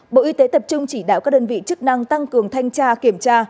bộ y tế tập trung chỉ đạo các đơn vị chức năng tăng cường thanh tra kiểm tra